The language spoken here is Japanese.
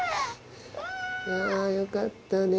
よかったね。